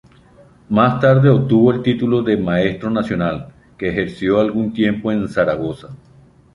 Más tarde obtuvo el título de maestro nacional, que ejerció algún tiempo en Zaragoza.